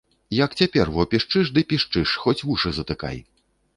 Як цяпер во пішчыш ды пішчыш, хоць вушы затыкай.